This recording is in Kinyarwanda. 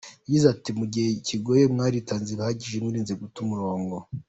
Yagize ati: "Mu gihe kigoye mwaritanze bihagije, mwirinze guta umurongo.